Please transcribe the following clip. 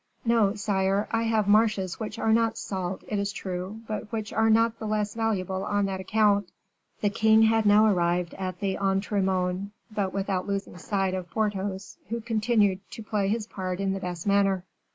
"No, sire, I have marshes which are not salt, it is true, but which are not the less valuable on that account." The king had now arrived at the entrements, but without losing sight of Porthos, who continued to play his part in the best manner.